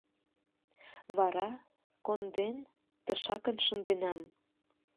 Вара, конден, тышакын шынденам.